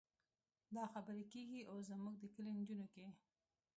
دا خبرې کېږي اوس زموږ د کلي نجونو کې.